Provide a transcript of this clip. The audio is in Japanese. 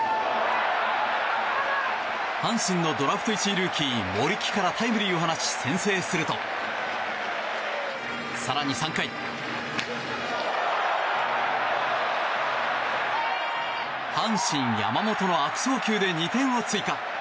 阪神のドラフト１位ルーキー森木からタイムリーを放ち先制すると更に３回、阪神、山本の悪送球で２点を追加。